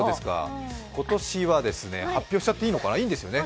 今年は発表しちゃっていいのかな、いいんですよね。